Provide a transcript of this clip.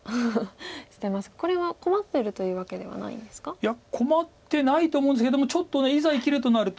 いや困ってないと思うんですけどもちょっといざ生きるとなると。